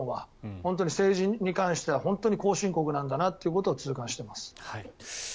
本当に政治に関しては後進国なんだなと痛感しています。